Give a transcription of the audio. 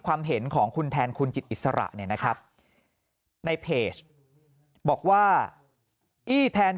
ความเห็นของคุณแทนคุณจิตอิสระเนี่ยนะครับในเพจบอกว่าอี้แทน